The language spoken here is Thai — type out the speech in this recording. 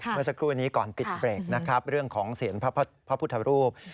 เมื่อสักครู่นี้ก่อนปิดเบรกนะครับเรื่องของเสียงพระพุทธรูป